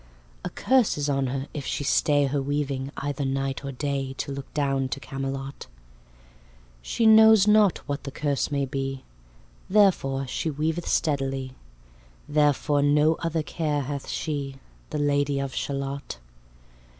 A curse is on her, if she stay Her weaving, either night or day, To look down to Camelot. She knows not what the curse may be; Therefore she weaveth steadily, Therefore no other care hath she, The Lady of Shalott.